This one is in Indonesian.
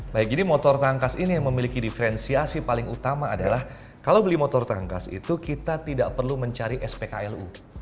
baik jadi motor tangkas ini yang memiliki diferensiasi paling utama adalah kalau beli motor tangkas itu kita tidak perlu mencari spklu